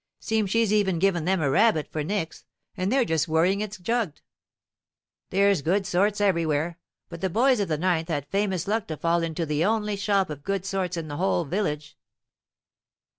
Seems she's even given them a rabbit for nix, and they're just worrying it jugged." "There's good sorts everywhere. But the boys of the 9th had famous luck to fall into the only shop of good sorts in the whole village."